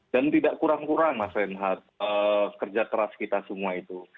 dan tidak kurang kurang mas renhard kerja keras kita semua itu